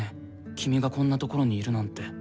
君がこんなところにいるなんて。